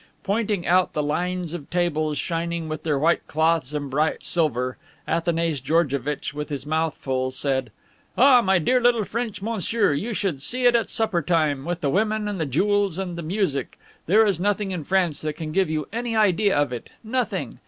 Pointing out the lines of tables shining with their white cloths and bright silver, Athanase Georgevitch, with his mouth full, said: "Ah, my dear little French monsieur, you should see it at supper time, with the women, and the jewels, and the music. There is nothing in France that can give you any idea of it, nothing!